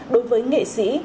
đối với nghệ sĩ